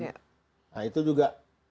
nah itu juga